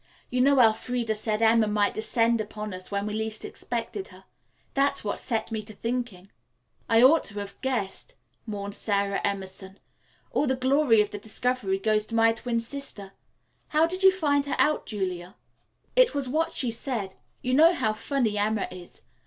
You know Elfreda said Emma might descend upon us when we least expected her. That's what set me to thinking." "I ought to have guessed," mourned Sara Emerson. "All the glory of the discovery goes to my twin sister. How did you find her out, Julia?" "It was what she said. You know how funny Emma is.